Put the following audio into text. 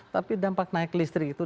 tapi dampak naik listrik itu